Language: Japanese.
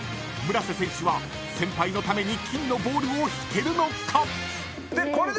［村瀬選手は先輩のために金のボールを引けるのか！？］